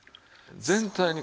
全体に。